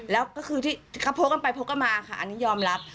แล้วก็คือที่เขาพกกันไปพกกันมาค่ะอันนี้ยอมรับ